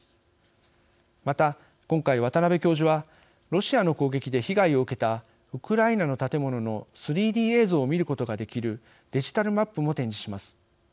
また、今回、渡邉教授はロシアの攻撃で被害を受けたウクライナの建物の３Ｄ映像を見ることができるデジタルマップも展示します。